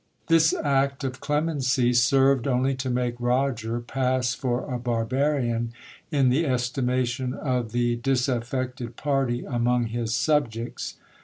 This act of clemency sen T ed only to make Roger pass for a barbarian in the estimation of the disaf fected party among his subjects.